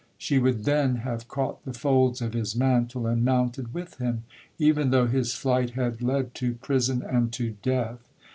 She would then have caught the folds of his mantle, and mounted with him, even though his flight had led to prison and to death.